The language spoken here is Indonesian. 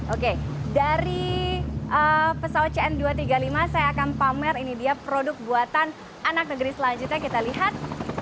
oke dari pesawat cn dua ratus tiga puluh lima saya akan pamer ini dia produk buatan anak negeri selanjutnya kita lihat